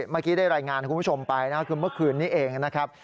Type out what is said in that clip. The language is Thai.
เมื่อกี้ได้รายงานคุณผู้ชมไปนะคือเมื่อคืนนี้เองนะครับ